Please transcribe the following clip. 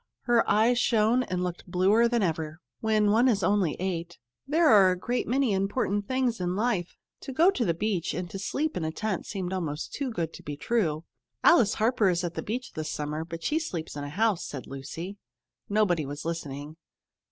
Her eyes shone and looked bluer than ever. When one is only eight, there are a great many important things in life. To go to the beach and to sleep in a tent seemed almost too good to be true. "Alice Harper is at the beach this summer, but she sleeps in a house," said Lucy. Nobody was listening.